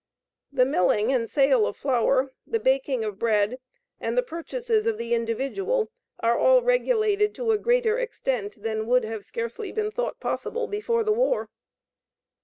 The milling and sale of flour, the baking of bread, and the purchases of the individual are all regulated to a greater extent than would have scarcely been thought possible before the war.